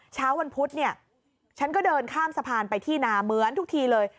เช้าวันพุธเนี่ยฉันก็เดินข้ามสะพานไปที่นาเหมือนทุกทีเลย